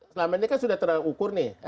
selama ini kan sudah terang ukur nih